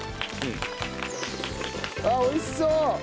あっ美味しそう！